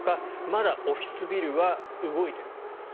まだオフィスビルは動いているからです。